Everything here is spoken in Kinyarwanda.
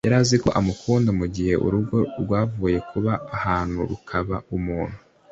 yari azi ko amukunda mugihe urugo rwavuye kuba ahantu rukaba umuntu.